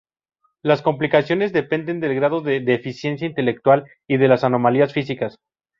Las complicaciones dependen del grado de deficiencia intelectual y de las anomalías físicas.